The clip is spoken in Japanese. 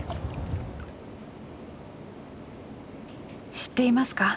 知っていますか？